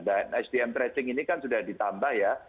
dan htm tracing ini kan sudah ditambah ya